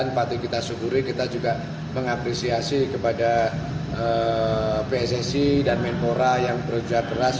dan patuh kita syukuri kita juga mengapresiasi kepada pssi dan menpora yang berjuang keras